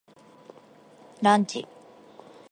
ランチ